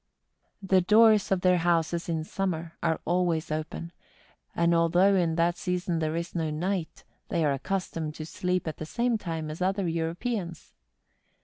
The doors of their NORTH CAPE. 149 houses in summer are always open, and although in that season there is no night, they are accustomed to sleep at the same time as other Europeans.